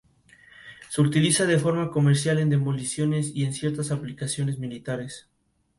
Por eso sus instalaciones quedaron en un estado provisional e indefinido.